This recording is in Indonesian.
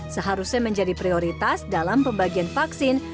seharusnya menjadi prioritas dalam pembagian vaksin